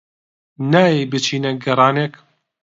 نایەی بچینە گەڕانێک؟